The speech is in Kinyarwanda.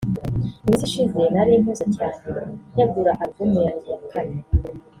mu minsi ishize narimpuze cyane ntegura album yanjye ya Kane